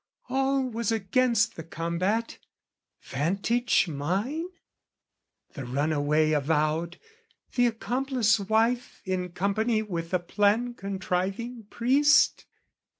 All was against the combat: vantage, mine? The runaway avowed, the accomplice wife, In company with the plan contriving priest?